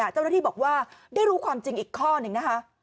เจ้าหน้าที่บอกว่าได้รู้ความจริงอีกข้อหนึ่งนะคะ